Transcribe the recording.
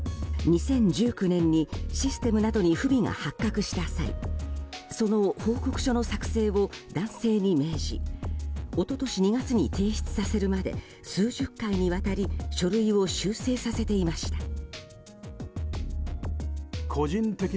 ２０１９年にシステムなどに不備が発覚した際その報告書の作成を男性に命じ一昨年２月に提出させるまで数十回にわたり書類を修正させていました。